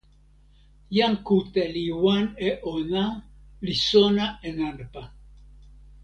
jan kute li wan e ona, li sona e nanpa.